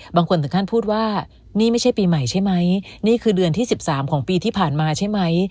บางคนถึงขั้นพูดว่านี่ไม่ใช่ปีใหม่ใช่ไหมนี่คือเดือนที่๑๓ของปีที่ผ่านมาใช่ไหม